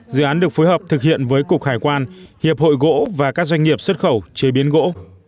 dự án được phối hợp thực hiện với cục hải quan hiệp hội gỗ và các doanh nghiệp xuất khẩu chế biến gỗ